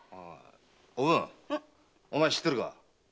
おぶん知ってるか？